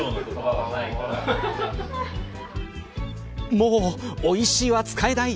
もう、おいしいは使えない。